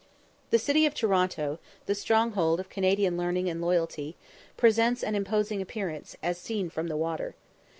The city of Toronto, the stronghold of Canadian learning and loyalty, presents an imposing appearance, as seen from the water.